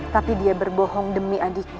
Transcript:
tapi dia berbohong demi adiknya